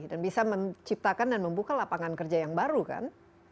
dan bisa menciptakan dan membuka lapangan kerja yang baru kan